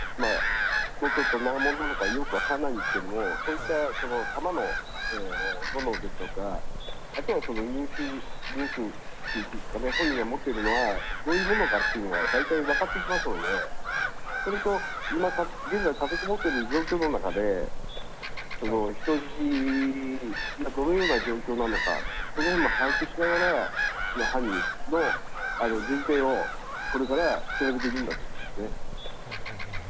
もうちょっと長ものなのかよく分かりませんが、そういった弾のものですとか、あとは本人が持っているのがどういったものか分かってきますのでそれと、現在立て籠もっている状況の中で人質がどのような状況なのか、それらも把握しながら犯人の人定をこれから調べていくんだと思いますね。